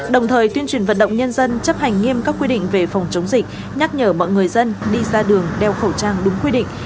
đồng thời tuyên truyền vận động nhân dân chấp hành nghiêm các quy định về phòng chống dịch nhắc nhở mọi người dân đi ra đường đeo khẩu trang đúng quy định